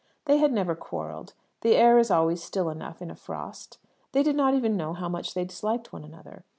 They had never quarrelled. The air is always still enough in a frost. They did not even know how much they disliked one another.